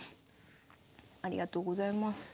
ありがとうございます。